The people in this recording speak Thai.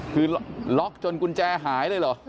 คือล็อกจนกุญแจหายเลยเหรอ